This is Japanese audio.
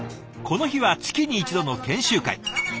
この日は月に一度の研修会。